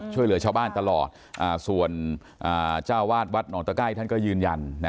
ช่วยเหลือชาวบ้านตลอดส่วนเจ้าวาดวัดหนองตะไก้ท่านก็ยืนยัน